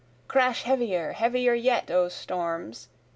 Crash heavier, heavier yet O storms!